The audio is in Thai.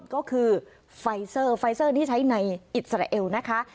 ก็คือไฟเซอร์ไฟเซอร์ที่ใช้ในอิสราเอลนะคะ